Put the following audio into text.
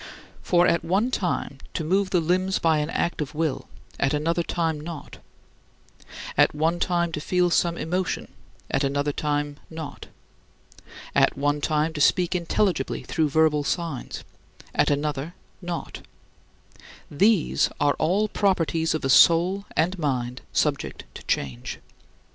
For at one time to move the limbs by an act of will, at another time not; at one time to feel some emotion, at another time not; at one time to speak intelligibly through verbal signs, at another, not these are all properties of a soul and mind subject to change.